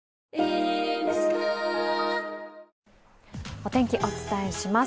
お天気、お伝えします。